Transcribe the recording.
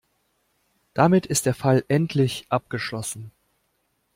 Damit ist der Fall endlich abgeschlossen.